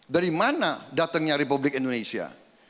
dari mana datangnya republik indonesia